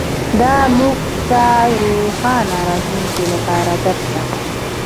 دا موږ ته د روښانه راتلونکي لپاره درس راکوي